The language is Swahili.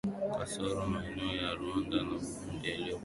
kasoro maeneo ya Rwanda na Burundi yaliyokabidhiwa mikononi mwa Ubelgiji